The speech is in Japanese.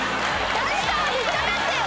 誰かは引っ掛かってよ。